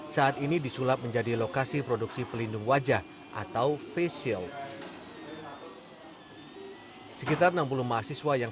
saat ini disulap menjadi lokasi produksi pelindung wajah atau face shield sekitar enam puluh mahasiswa yang